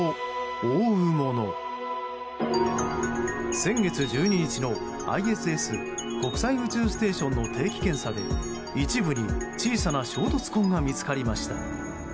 先月１２日のＩＳＳ・国際宇宙ステーションの定期検査で一部に小さな衝突痕が見つかりました。